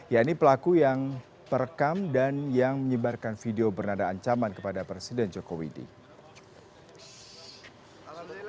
ya ini pelaku yang perekam dan yang menyebarkan video bernada ancaman kepada presiden joko widodo